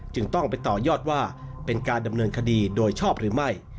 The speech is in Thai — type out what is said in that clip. จึงต้องไปต่อยอดว่าเป็นการดำเนินคดีโดยชอบหรือไม่